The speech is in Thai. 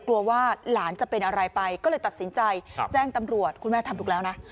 กลัวว่าหลานจะเป็นอะไรไปก็เลยตัดสินใจแจ้งตำรวจคุณแม่ทำถูกแล้วนะ